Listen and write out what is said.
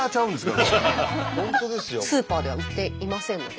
スーパーでは売っていませんので。